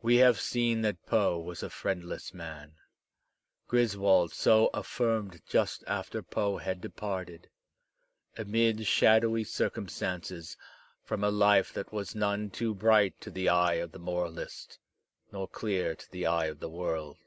We have seen that Poe was a friendless man. Griswold so af firmed just after Poe had departed, amid shadowy circum stances, from a life that was none too bright to the eye of the moralist, nor dear to the eye of the world.